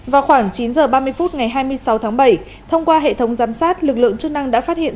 vào khoảng chín h ba mươi phút ngày hai mươi sáu tháng bảy thông qua hệ thống giám sát lực lượng chức năng đã phát hiện